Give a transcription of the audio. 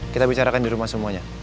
kita bicarakan di rumah semuanya